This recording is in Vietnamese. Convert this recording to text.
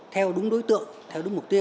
theo đúng đối tượng theo đúng mục tiêu